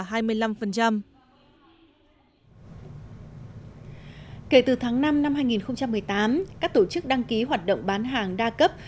kể từ tháng năm năm hai nghìn một mươi tám các tổ chức đăng ký hoạt động bán hàng đa cấp